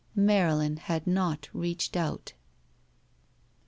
Marylin had not reached out.